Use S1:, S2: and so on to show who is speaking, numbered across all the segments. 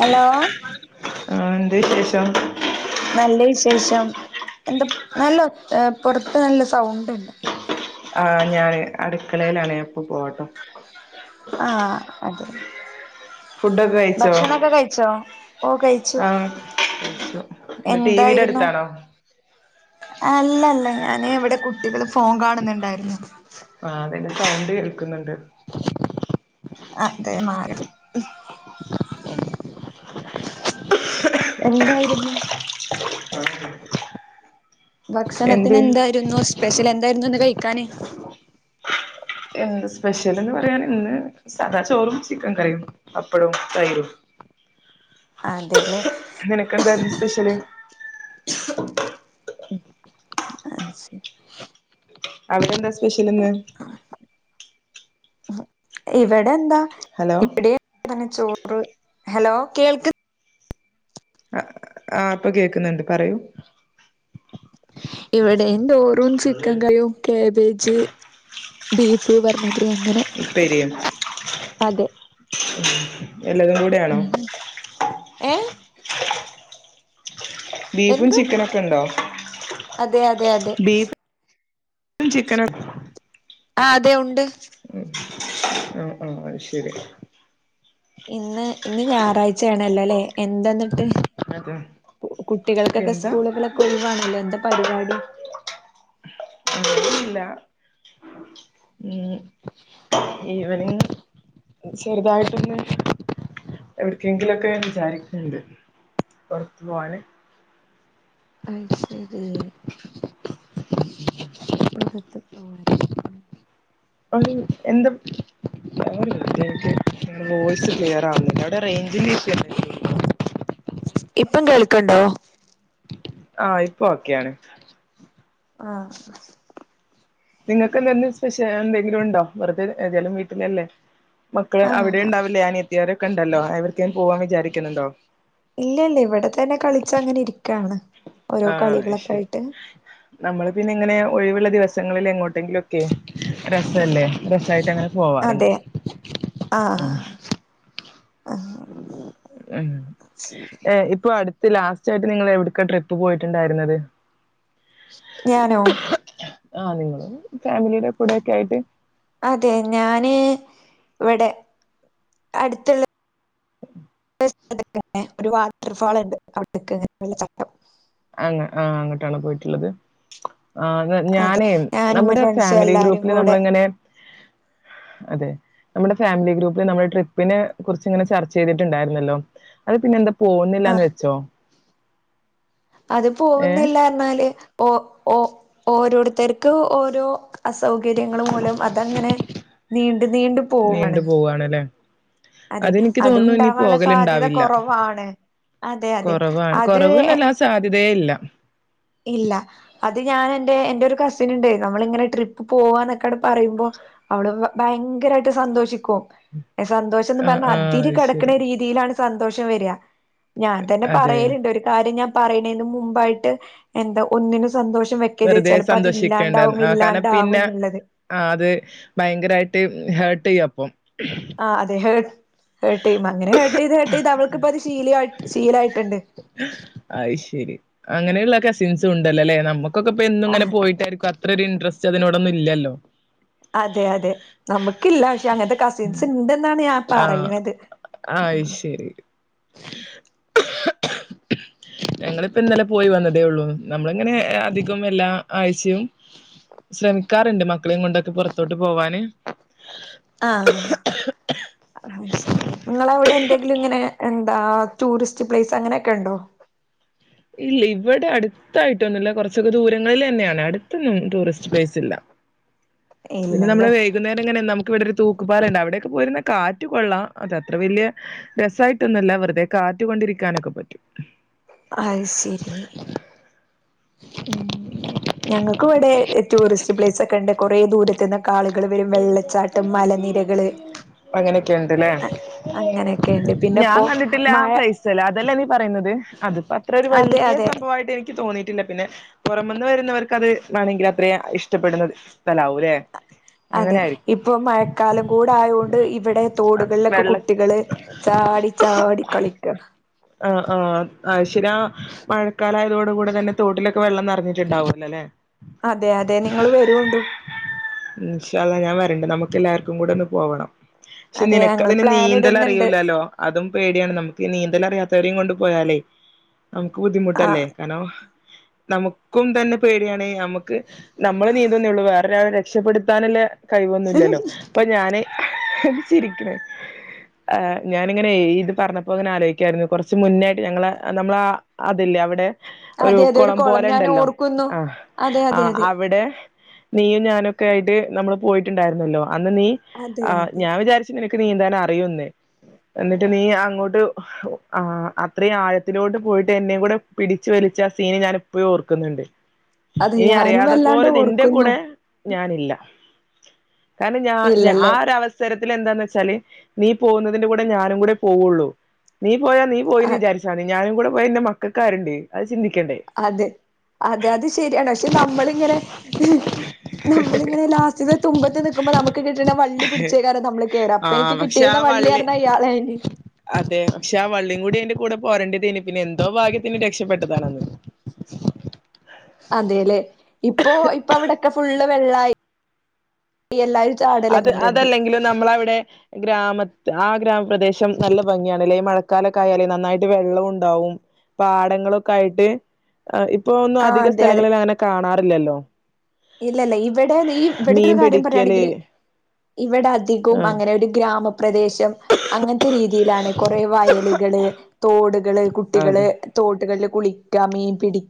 S1: Hello
S2: ആഹ് എന്താ വിശേഷം?
S1: നല്ല വിശേഷം എന്താ നല്ലോ പൊർത്ത് നല്ല സൗണ്ട്ണ്ട്
S2: ആഹ് ഞാന് അട്ക്കളെലാണ് ഞാൻ ഇപ്പൊ പോവട്ടോ
S1: ആഹ് അതെ
S2: ഫുഡൊക്കെ കഴിച്ചോ
S1: ഭക്ഷണൊക്കെ കഴിച്ചോ? ഓഹ് കയിച്ചു
S2: ആ ന്ന് ടിവീടെ അട്ത്താണോ?
S1: അല്ലല്ല ഞാന് ഇവടെ കുട്ടികള് ഫോൺ കാണുന്നുണ്ടായിരുന്നു
S2: ആഹ് അതിന്റെ സൗണ്ട് കേൾക്ക്ന്ന്ണ്ട്
S1: അതേ മാറി എന്തായിരുന്നു
S2: എന്ത്
S1: ഭക്ഷണത്തിന് എന്തായിരുന്നു സ്പെഷ്യല് എന്തായിരുന്നു ഇന്ന് കഴിക്കാന്?
S2: എന്താ സ്പെഷ്യല്ന്ന് പറയാൻ ഇന്ന് സാദാ ചോറും, ചിക്കൻ കറിയും, പപ്പടവും, തൈരും
S1: അതെല്ലേ
S2: നിനക്കെന്തായിരുന്നു സ്പെഷ്യല്
S1: ഉം അയ്ശരി
S2: അവിടെന്താ സ്പെഷ്യല്ന്ന്?
S1: ഇവടെന്താ
S2: ഹലോ
S1: ഇവിടെ [unintelligible] ചോറ് ഹലോ കേൾക്ക്
S2: ആഹ് ഇപ്പൊ കേക്കുന്നുണ്ട് പറയൂ
S1: ഇവിടെം ചോറും, ചിക്കൻ കറിയും കേബേജ്, ബീഫ് പർണാതിരി അങ്ങനെ
S2: ഉപ്പേരിയും
S1: അതെ
S2: എല്ലതും കൂടി
S1: ഏഹ്
S2: ബീഫും,
S1: എന്ത്
S2: ചിക്കനൊക്കെണ്ടോ?
S1: അതെ അതെ അതെ
S2: ഫും ചിക്കനും
S1: ആഹ് അതെ ഉണ്ട്
S2: ഉം ഉം ഉം അഹ്ശരി
S1: ഇന്ന് ഇന്ന് ഞായറാഴ്ച്ചയാണല്ലോലെ എന്താ ഇന്നട്ട്
S2: അതെ
S1: കു കുട്ടികൾക്കൊക്കെ
S2: എന്താ
S1: സ്കൂളുകളൊക്കെ ഒഴിവാണല്ലോ എന്താ പരിപാടി?
S2: [unintelligible] ഉം ഈവനിങ് ചെറുതായിട്ടൊന്ന് എവ്ട്ക്കെങ്കിലോക്കേ വിചാരിക്ക്ണ്ട് പോർത്ത് പോവാന്.
S1: അയ് ശെരി.
S2: [inaudible]
S1: പൊറത്ത് പോവാന് ഏഹ്.
S2: ഒര് എന്താ [unintelligible] വോയിസ് ക്ലിയറാവ്ന്നില്ല അവടെ റൈഞ്ചിന്റെ ഇഷ്യു
S1: ഇപ്പം കേൾക്ക്ണ്ടോ?
S2: ആഹ് ഇപ്പൊ ഓക്കെയാണ്.
S1: ആഹ്.
S2: ഇങ്ങൾക്ക് ഇന്ന്ന്തേ സ്പെഷ്യന്തെങ്കിലുംണ്ടോ വെറ്തേ ഏതാലും വീട്ടിലല്ലേ. മക്കള് അവിടെ
S1: ആഹ്
S2: ണ്ടാവില്ലേ അനിയത്തിയൊരൊക്കെണ്ടല്ലോ എവ്ട്ക്കെലും പോവാം വിചാരിക്കുന്ന്ണ്ടോ?
S1: ഇല്ലല്ല ഇവടെ തന്നെ കളിച്ച അങ്ങനെ ഇരിക്കാണ് ഓരോ കളികളൊക്കെ ആയിട്ട്
S2: ന്നമ്മള് പിന്നെ ഇങ്ങനെ ഒഴിവ്ള്ള ദിവസങ്ങളില് എങ്ങോട്ടെങ്കിലോക്കെ രസല്ലേ രസായിട്ടങ്ങനെ പോവാറ്ണ്ട്
S1: അതെ
S2: ഉം.
S1: ആഹ് ആഹ്
S2: [unintelligible] ഏഹ്, ഇപ്പൊ അടുത്ത് ലാസ്റ്റായിട്ട് നിങ്ങള് എവ്ട്ക്കാ ട്രിപ്പ് പോയിറ്റുണ്ടായിരുന്നത്?
S1: ഞാനോ?
S2: ആഹ് നിങ്ങള് ഫാമിലിന്റെ കൂടക്കെ ആയിട്ട്
S1: അതെ ഞാന് ഇവടെ അട്ത്ത്ള്ള [unintelligible] ഒരു വാട്ടർഫാള്ണ്ട് അവ്ട്ക്ക് [unintelligible] വെള്ളച്ചാട്ടം.
S2: അങ്ങ ആഹ് അങ്ങട്ടാണോ പോയിട്ട്ള്ളത്. ആഹ്
S1: അതെ
S2: ഞാനേയ്
S1: ഞാനും എന്റെ
S2: ന്നമ്മടെ
S1: ഫ്രണ്ട്സും
S2: ഫാമിലി
S1: എല്ലാരും
S2: ഗ്രൂപ്പില്
S1: കൂടെ
S2: ന്നമ്മള്ങ്ങനെ അതെ ന്നമ്മടെ ഫാമിലി ഗ്രൂപ്പിൽ ന്നമ്മൾ ട്രിപ്പിനെ കുറിച്ച്ങ്ങനെ ചർച്ചയ്ത്ട്ട്ണ്ടായിരുന്നല്ലോ. അത് പിന്നെന്താ പോവുന്നില്ലാന്ന്
S1: ആഹ്
S2: വെച്ചോ?
S1: അത്
S2: ഏഹ്
S1: പോവുന്നില്ലാർഞാല് ഓ ഓ ഓരോര്ത്തര്ക്ക് ഓരോ അസൗകര്യങ്ങള് മൂലം അതങ്ങനെ നീണ്ട് നീണ്ട് പോവാണ്
S2: നീണ്ടു പോവ്വാണ്ലേ
S1: അതെ
S2: അതെനിക്ക് തോൻന്നു ഇനി
S1: അതുണ്ടാവാനുള്ള സാധ്യത
S2: പോകല്ണ്ടാവില്ല.
S1: കുറവാണ് അതെ അതെ
S2: കോറവാണ് കോറവ്
S1: അത്
S2: ന്നല്ല സാധ്യതെ ഇല്ലാ.
S1: ഇല്ല അത് ഞാനന്റെ എന്റെ ഒരു കസിന്ണ്ടയ് ന്നമ്മള് ഇങ്ങനെ ട്രിപ്പ് പോവ്വാന്നൊക്കെട് പറയുമ്പോ അവള് ഭയങ്കരായിട്ട് സന്തോഷിക്കും. സന്തോഷംന്ന്
S2: ആഹ്
S1: പർഞ്ഞ
S2: ആഹ്
S1: അതിര്
S2: അത്
S1: കടക്ക്ണ
S2: ശരി.
S1: രീതിയിലാണ് സന്തോഷം വര്ആ. ഞാൻ തന്നെ
S2: അതെ.
S1: പറയല്ണ്ട് ഒരു കാര്യം ഞാം പറയണെന് മുമ്പായിട്ട് എന്താ ഒന്നിനും സന്തോഷം വ്യക് ക്കര്
S2: വെറുതെ
S1: ചെലപ്പോ അത്
S2: സന്തോഷിക്കേണ്ടാന്ന്.
S1: ഇല്ലാണ്ടാവും
S2: ആഹ് കാരണം
S1: ഇല്ലാണ്ടാവും
S2: പിന്നെ
S1: ന്ന്ള്ളത്.
S2: ആഹ് അത് ഭയങ്കരായിട്ട് ഹേർട്ട്യ്യും അപ്പം.
S1: ആഹ് അതെ ഹേ ഹേർട്ട്യ്യും അങ്ങനെ ഹേർട്ടീത് ഹേർട്ടീത് അവൾക്ക്പ്പത് ശീലിആയ് ശീലായിട്ട്ണ്ട്.
S2: അഅ്‌ ശരി, അങ്ങനെയുള്ള കസിൻസും ഉണ്ട്ല്ലലേ നമ്മക്കൊക്കെ ഇപ്പൊ എന്നും
S1: ആ
S2: ഇങ്ങനെ പോയിട്ടായിരിക്കും അ അത്രരു ഇൻട്രസ്റ്റ് അതിനോടൊന്നും ഇല്ല്യല്ലോ.
S1: അതെ അതെ ന്നമ്മക്കില്ല പക്ഷെ അങ്ങൻത്തെ കസിൻസ് ണ്ട്ന്നാണ് ഞാം പറയുന്നത്.
S2: അഅ്‌ ശെരി. ഞങ്ങള്പ്പോ ഇന്നലെ പോയി വന്നതേ ഒള്ളൂ ന്നമ്മള് ഇങ്ങനെ അധികം എല്ലാ ആഴ്ചയും ശ്രമിക്കാറ്ണ്ട് മക്കളെയും കൊണ്ടൊക്കെ പൊറത്തോട്ട് പോവാന്.
S1: ആഹ് അഅ്‌ ശരി ങ്ങളവടെ എന്തേ ല്ങ്ങനെ എന്താ ടൂറിസ്റ്റ് പ്ലേസ് അങ്ങനെയൊക്കെ ഉണ്ടോ?
S2: ഇല്ല ഇവിടെ അടു ത്തായിട്ടൊന്നുമില്ല കുറച്ചൊക്കെ ദൂരങ്ങളിൽ തന്നെയാണ് അടുത്തൊന്നും ടൂറിസ്റ്റ് പ്ലെയ്സ് ഇല്ല പിന്നെ നമ്മള്
S1: ഇല്ലല്ലേ
S2: വൈകുന്നേരം ഇങ്ങനെ നമുക്ക് ഇവിടെ ഒരു തൂ ക്കുപാലംണ്ട് അവിടൊക്കെ പോയിരുന്ന കാറ്റ് കൊള്ളാം അത അത്ര വലിയ രസ മായിട്ട്ന്നല്ല വെറുതെ കാറ്റുകൊണ്ടിരിക്കാനൊക്കെ പറ്റും
S1: അ യ് സിരി ഉ ഞങ്ങൾക്കും ഇവിടെ ടൂറിസ്റ്റ് പ്ലേസ് ഒക്കെ ഉണ്ട് കുറേ ദൂരത്തന്നൊ
S2: അങ്ങനെയൊക്കെ ഉണ്ട്ല്ലേ
S1: അങ്ങനെയൊക്കെയുണ്ട് പിന്നെ
S2: ഞാൻ
S1: ഇപ്പോ
S2: കണ്ടിട്ടില്ല
S1: മഴ
S2: പ്ലേസ് ചില അതല്ലേ നീ പറയുന്നത് അതിപ്പോ അത്ര ഒരു
S1: അതെ
S2: വലിയ
S1: അതെ
S2: സംഭവമായിട്ട് എനിക്ക് തോന്നിയിട്ടില്ല പിന്നെ പുറമന്ന് വരുന്നവർക്ക് അത് വേണമെങ്കിൽ അത്ര ഇഷ്ടപ്പെടുന്ന സ്ഥലമാവും അല്ലെ
S1: അതെ ഇപ്പൊ മഴക്കാലം കൂടെ ആയൊണ്ട് ഇവിടെ തോടുകളിലൊക്കെ
S2: വെള്ള
S1: കുട്ടികള് ചാടി ചാടി കളിക്കണ്
S2: ആഹ് ആഹ് ആയ് ശരിയ മഴക്കാലായതോട കൂടെ തന്നെ തോട്ടിലൊക്കെ വെള്ളം നിറഞ്ഞിട്ടുണ്ടാവല്ലോ അല്ലെ
S1: അതെ അതെ നിങ്ങള്ൾ വരുണ്ടു
S2: ഇൻശാ അല്ലാ ഞാൻ വരണ്ട് നമുക്ക് എല്ലാവർക്കും കൂടെ ഒന്ന് പോവണം ക്ഷെ
S1: അതെ ഞങ്ങൾ
S2: നിനക്ക്തിന്
S1: പ്ലാൻ
S2: നീന്തല
S1: ഇടുന്നുണ്ട്
S2: അറിയൂല്ലല്ലോ അതും പേടിയാണ് നമുക്ക് നീന്തൽ അറിയാത്തവരെയും കൊണ്ട് പോയാലേ നമുക്ക് ബുദ്ധിമുട്ടല്ലേ കാരണം നമുക്കും തന്നെ പേടിയണേ നമുക്ക് നമ്മള് നീന്തുന്നേള്ളൂ വേറൊരാളെ രക്ഷപ്പെടുത്താനുല്ല കഴിവൊന്നു ഇല്ലല്ലോ
S1: ആഹ്
S2: അപ്പൊ ഞാന് എന്താ ചിരിക്കണ ആഹ് ഞാനിങ്ങനെ ഇത് പറഞ്ഞപ്പോ അങ്ങനെ ആലോചിക്കായിരുന്നു കൊറ ച്ച് മുന്നായിട്ട് ഞങ്ങള നമ്മള അതില്ലേ അവിടെ ഒരു
S1: അതെ അതെ
S2: കുളം
S1: കൊളം
S2: പോലെ
S1: ഞാൻ
S2: ഉണ്ടല്ലോ
S1: ഓർക്കുന്നു
S2: ആഹ്
S1: അതെ അതെ
S2: ആഹ്
S1: അതെ
S2: അവിടെ നീയും ഞാനൊക്കെ ആയിട്ട് നമ്മള് പോയിട്ടുണ്ടായിരുന്നല്ലോ അന്ന് നീ
S1: അതെ
S2: ആ
S1: അതെ
S2: ഞാൻ വിചാരിച്ച നിനക്ക് നീന്താൻ അറയുന്ന് എന്നിട്ട് നീ അങ്ങോട്ട് ആ അത്രയും ആഴത്തിലോട്ട് പോയിട്ട് എന്നെ കൂടെ പിടിച്ചു വലിച്ച ആ സീന് ഞാൻ ഇപ്പോഴും ഓർക്കുന്നുണ്ട്
S1: അതെ
S2: ഇനി
S1: ഞാനും
S2: അറിയാതെ
S1: വല്ലാണ്ട്
S2: പോലെ നിന്റെ
S1: ഓർക്കുന്നു
S2: കൂടെ ഞാനില്ല കാരണം ഞാൻ
S1: ഇല്ലല്ലേ
S2: ആരവസ സരത്തിൽ എന്താന്ന് വെച്ചാല് നീ പോകുന്നതിന്റെ കൂടെ ഞാനും കൂടെ പോവുള്ളൂ നീ പോയാ നീ
S1: അ
S2: പോയിന്ന് വിചാരിച്ചാ മതി ഞാനും കൂടെ പോയ എന്റെ മക്കാരുണ്ട് അത് ചിന്തിക്കണ്ടേ
S1: അതെ അതെ അത് ശരിയാണ് പക്ഷെ നമ്മളിങ്ങനെ നമ്മളിങ്ങനെ ലാസ്റ്റ്ത്തെ തുമ്പത്ത് നിക്കുമ്പോ നമുക്ക് കിട്ടണ വള്ളി പിടിച്ചേ കാരം നമ്മള് കേറാ
S2: ആ
S1: അപ്പൊ എനിക്ക്
S2: പക്ഷെ ആ
S1: കിട്ടിരിന്ന
S2: വള്ളി
S1: വള്ളിറിന്ന ഇയാളെയിന്
S2: അതെ പക്ഷെ ആ വള്ളിയും കൂടി അതിന്റെ കൂടെ പോരേണ്ടയ്നി പിന്നെ എന്തോ ഭാഗ്യത്തിന് രക്ഷപ്പെട്ടതാണ് അന്ന്
S1: അതേലേ ഇപ്പൊ ഇപ്പ വിടൊക്കെ ഫുള്ള് വെള്ളായി എല്ലാരും
S2: അത്
S1: ചാടലൊടങ്ങിട്ടുണ്ട്
S2: അതല്ലെങ്കിലും നമ്മള അവിടെ ഗ്രാമ ആ ഗ്രാമപ്രദേശം നല്ല ഭംഗിയാണ് ല്ലെ മഴക്കാലൊക്കായാല് നന്നായിട്ട് വെള്ളം ഉണ്ടാവും പാടങ്ങളൊക്കെ ആയിട്ട് ഇപ്പൊ ഒന്നും
S1: ആ
S2: അധിക
S1: അതെ അതെ
S2: സ്ഥലങ്ങളിൽ അങ്ങനെ കാണാറില്ലല്ലോ
S1: ഇല്ലല്ല ഇവിടെ ഈ ഇവിടെത്തെ ഒരു
S2: മീൻ
S1: കാര്യം
S2: പിടിക്കല്
S1: പറയയാണെങ്കിൽ ഇവിടെ അതി കവും
S2: ആഹ്
S1: അങ്ങനെ ഒരു ഗ്രാമപ്രദേശം അങ്ങനത്തെ രീതിയിലാണ് കുറെ വയലുകള് തോടുകള്
S2: അതെ
S1: കുട്ടികള് തോട്ടുകളിൽ കുളിക്കാ മീൻ പിടി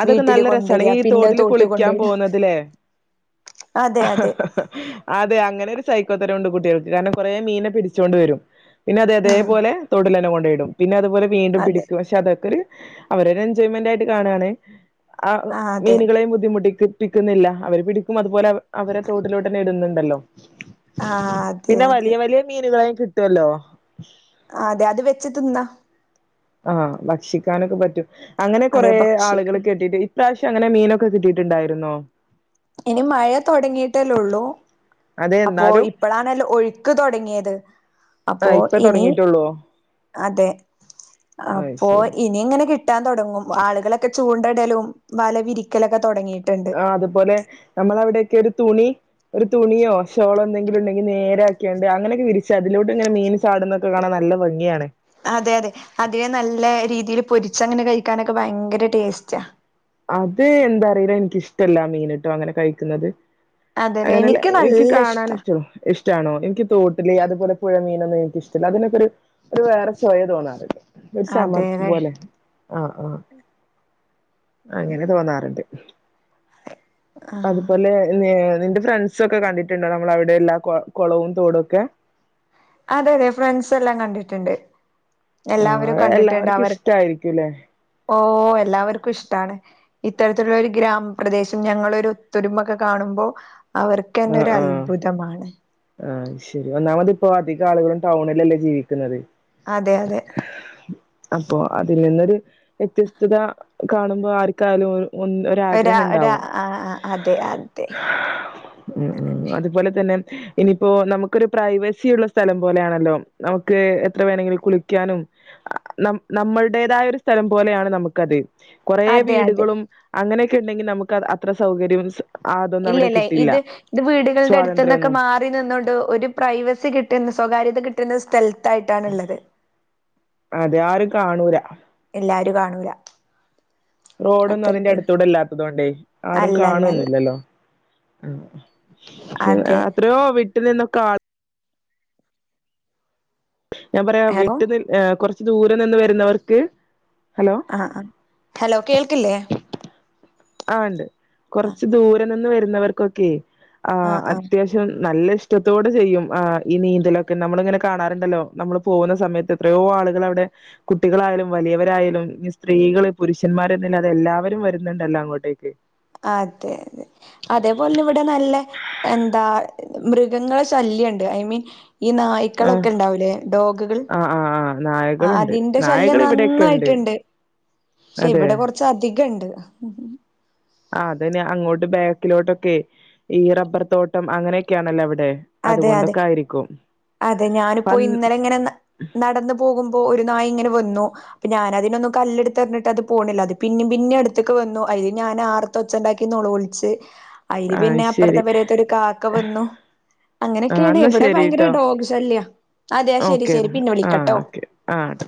S2: അതൊക്കെ നല്ല രസാണ് ഈ തോട്ടില്
S1: തോട്ട്
S2: കുളിക്കാൻ
S1: കൊണ്ടോയിട
S2: പോകുന്നതിലേ
S1: അതെ
S2: ഹ
S1: അതെ
S2: ഹ ഹ അതെ അങ്ങനെ ഒരു സൈക്കോത്തരം ഉണ്ട് കുട്ടികൾക്ക് കൊറേ മീനെ പിടിച്ചു കൊണ്ട് വരും പിന്നെ അതെ
S1: ഉം
S2: അതേപോലെ താേട്ടിലെല്ലാം കൊണ്ടാേയ്ടും പിന്നെ അത്പോലെ വീണ്ടും
S1: അതെ
S2: പിടിക്കും പക്ഷെ അതൊക്കൊര് അവരാെര് എൻജോയ്മെന്റായ്ട്ട് കാണാണ് ആഹ്
S1: ആ അതെ
S2: മീനുകളേയും ബുദ്ധിമുട്ടിക്ക് പ്പിക്ക്ന്ന്ല്ലാ അവര് പിടിക്കും അതുപോലെ അവരെ തോട്ടിലോട്ടെന്നെ ഇട്ന്ന്ണ്ടല്ലോ
S1: ആ അതെ
S2: പിന്നെ
S1: അതെ
S2: വലിയ വലിയ മീന്കളേയും കിട്ടാെല്ലോ
S1: ആഹ് അതെ അത് വെച്ച് ത്‌ന്നാ
S2: ആഹ് ഭക്ഷിക്കാനൊക്കെ പറ്റും അങ്ങെനെ
S1: അതെ
S2: കൊറെ
S1: ഭക്ഷിക്ക
S2: ആള്കള് കെട്ടിട്ട് ഇപ്രാശ്യം അങ്ങെനെ മീനൊക്കെ കിട്ടീട്ട്ണ്ടായ്ര്ന്നോ?
S1: അയ്ന് മഴ താെടങ്ങീട്ടെല്ലെ ഒള്ളു
S2: അതെ
S1: അപ്പോ
S2: എന്നാലും
S1: ഇപ്പളാണൽ ഒഴ്ക്ക് തൊടെങ്ങ്യേത് അപ്പോ
S2: ആഹ് ഇപ്പ
S1: ഇനി
S2: തൊടങ്ങിട്ടുള്ളോ
S1: അതെ
S2: അയ്
S1: അപ്പാേ
S2: ശരി
S1: ഇനി ഇങ്ങെനെ കി ട്ടാൻ തൊടെങ്ങും ആള്കളൊക്കെ ചൂണ്ടടലും വല വിരിക്കലൊക്കെ തെടെങ്ങീട്ട്
S2: ആഹ് അതുപോലെ നമ്മളവിടെയെക്കെരു തുണി ഒരു തുണിയോ ഷോളോ എന്തെങ്കിലുണ്ടെ ങ്കി നേരാക്ക്യാണ്ട് അങ്ങനൊക്കെ വിരിച്ച് അതിലൂടെങ്ങെന മീൻ ചാടുന്നൊക്കെ കാണാൻ നല്ല ഭംഗിയാണ്
S1: അതെ അതെ അതിനെ നല്ല രീതീല് പൊരിച്ചങ്ങെനെ കഴിക്കാനൊക്കെ ഭയ്ങ്കര ടേസ്റ്റാ
S2: അത് എന്താറീല എനിക്കിഷ്ടല്ലാ ആ മീന്ട്ടോ അങ്ങെനെ കഴിക്ക്ന്നെത്
S1: അതേല്ലേ
S2: അങ്ങെനെല്ല
S1: എനിക്ക്
S2: ഇൻക്ക്
S1: നല്ല ഇഷ്ടാ
S2: കാണാന്ഷ് ഇഷ്ടാണോ എനിക്ക്യ് തോട്ടില് അതുപോലെ പുഴമീനൊന്നും എനിക്കിഷ്ടല്ലാ അതിനൊക്കൊരു ഒരു വേറെ ചൊയെ തോന്നാറ് ഒര് ചമർപ്പ്
S1: അതേല്ലേ
S2: പോലെ ആഹ് ആഹ് അങ്ങെനെ തോന്നാറ്ണ്ട്
S1: ആഹ്
S2: അതുപോലെ നെ നിന്റെ ഫ്രൺ സൊക്കെ കണ്ടിട്ട്ണ്ടോ നമ്മളവിടെ ഉള്ളാ കൊ കൊളവും തോടൊക്കെ
S1: അതെ അതെ ഫ്രണ്ട്സെല്ലാം കണ്ടിട്ട്ണ്ട് എല്ലാവരും
S2: ആഹ്
S1: കണ്ടിട്ട്ണ്ട്
S2: എല്ലാവർക്കും
S1: അവർ
S2: ഇഷ്ടായിരിക്കുംല്ലേ
S1: ഓഹ് എല്ലാവര്ക്കും ഇഷ്ടാണ് ഇത്തരത്തിലുള്ളൊരു ഗ്രാമപ്രദേശം ഞങ്ങളൊരു ഒത്തൊരുമാെക്കെ കാണ്‌മ്പൊ അവർക്കെന്നെ
S2: ആഹ് ആഹ്
S1: ഒരൽഭുതമാണ്
S2: ആഹ് ശരി ഒന്നാമത് ഇപ്പൊ അധിക ആള്കളും ടൗണിലല്ലേ ജീവിക്ക്ന്നത്
S1: അതെ അതെ
S2: അപ്പൊ അതിൽ നിന്നാെര് വ്യെത്യസ്തത കാണുമ്പാെ ആര്ക്കായാലൊ
S1: ഒര ഒരാ ആഹ് ആഹ് അതെ അതെ
S2: ഉം ഉം
S1: അങ്ങനെന്നെ.
S2: അതുപോലെ തന്നെ ഇനിയിപ്പോ നമുക്കൊരു പ്രൈവസി ഉള്ള സ്ഥലം പോലെയാണല്ലോ നമുക്ക് എത്ര വേണെങ്കിലും കുളിക്ക്യാനും നം നമ്മൾടേതായാെര് സ്ഥലം പോലെയാണ് നമ്ക്കത് കാെറേ
S1: അതെ അതെ
S2: വീട്കളും അങ്ങെനെയെക്കെണ്ടെങ്കി നമുക്ക് അത് അത്ര സൗകര്യ [unintelligible] സ്
S1: ഇല്ല്യലേ ഇത് ഇത് വീട്കൾടെ എട്ത്ത്ന്നൊക്കെ
S2: സ്വാതന്ത്ര്യൊന്നും
S1: മാ റി നിന്നാേണ്ട് ഒരു പ്രൈവസി കിട്ട്ന്ന് സ്വകാര്യത കിട്ട്ന്ന സ്ഥൽത്തായ്ട്ടാണ്ള്ളെത്
S2: അതെ ആരും കാണൂലാ
S1: ഇല്ല ആരും കാണൂലാ
S2: റോഡൊന്നും അതിന്റെ അട്ത്തൂടെല്ലാത്തതുകൊണ്ടേ ആരും
S1: അല്ല അല്ല അല്ല
S2: കാണൊന്നുല്ലല്ലോ ആഹ്
S1: അതെ
S2: എത്രെയോ വിട്ടിൽ നിന്നൊക്കാൾ ഞാൻ പറയാ
S1: ഹലോ
S2: വിട്ട് നി ഏഹ് കാെറെച്ച് ദൂരെ നിന്ന് വര്ന്നവെർക്ക് ഹലോ
S1: ആഹ് ആഹ് ഹലോ കേൾക്ക്ല്ലേ
S2: ആഹ് ണ്ട്
S1: ആ
S2: കൊർച്ച് ദൂരെ നിന്ന് വര്ന്നവർക്കൊക്കേ
S1: ആ
S2: ആഹ്
S1: ആ
S2: അത്യാവ്ശ് നല്ല ഇഷ്ടത്തോടെ ചെയ്യും ആഹ് ഈ നീന്തലൊക്കെ നമ്മള്ങ്ങെനെ കാണാറ്ണ്ടല്ലോ നമ്മള് പോവുന്ന സമയത്ത് ത്രെയോ ആള്കളവ്ടെ കുട്ടികളായാലും വലിയവരായാലും ഇനി സ്ത്രീകള് പുരുഷന്മാര് എന്ന്ല്ലാതെ എല്ലാവെരും വര്ന്ന്ണ്ടല്ലാേ അങ്ങോ ട്ടേക്ക്
S1: അതെ അതേപോലെന്നെ ഇവിടെ നല്ല എന്താ മൃഗങ്ങളെ ശല്യണ്ട് ഐ മീൻ ഈ നായി പക്കളൊക്കെ
S2: ആഹ്
S1: ഉണ്ടാവുലേ ഡോഗുകൾ
S2: ആഹ് ആഹ് ആഹ്
S1: ആ
S2: നായകളുണ്ട്
S1: അതിന്റെ
S2: നായകൾ
S1: ശല്യം
S2: ഇവിടെയൊക്കെ ഉണ്ട്
S1: നന്നായിട്ട്ണ്ട് പക്ഷെ
S2: അതെ
S1: ഇവിടെ കുറച്ച് അധികംണ്ട്
S2: അതിനി അങ്ങോട്ട് ബാക്കിലോട്ടൊക്കെ ഈ റബ്ബർ തോട്ടം അങ്ങനെയൊക്കെയാണല്ലോ അവിടെ
S1: അതെ അതെ
S2: അതുകൊണ്ടൊക്കെ ആയിരിക്കും
S1: അതെ ഞാനിപ്പോ
S2: പന്ന്
S1: ഇന്നലെ ഇങ്ങനെ നടന്ന പോകുമ്പോ ഒരു നായി ഇങ്ങനെ വന്നു അപ്പൊ ഞാനതിനൊന്നും കല്ല് എടുത്തെറിഞ്ഞിട്ട് അത് പോണില്ല അത് പിന്നിം പിന്നും അടുത്ത്ക്ക് വന്നു അയിൽ ഞാൻ അ തൊച്ച ഉണ്ടാക്കി നൊലോളിച്ച് അയിൽ
S2: ആഹ്
S1: പിന്നെ
S2: ശരി
S1: അപ്പുറത്തെ പെരേത്തെ ഒരു കാക്ക വന്നു
S2: ആഹ്
S1: അങ്ങനെയൊക്കെയാണ്
S2: എന്നാ
S1: ഇവിടെ ഭയങ്കര
S2: ശരിട്ടോ
S1: ഡോഗ് ശല്യാ അതെ ശരി ശരി
S2: ഓക്കേടാ
S1: പിന്നെ
S2: ആഹ്
S1: വിളിക്കട്ടോ
S2: ഓക്കെ ആഹ്